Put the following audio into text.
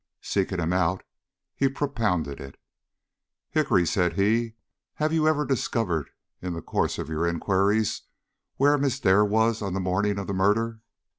Seeking him out, he propounded it. "Hickory," said he, "have you ever discovered in the course of your inquiries where Miss Dare was on the morning of the murder?"